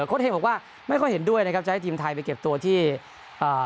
โค้ดเฮบอกว่าไม่ค่อยเห็นด้วยนะครับจะให้ทีมไทยไปเก็บตัวที่อ่า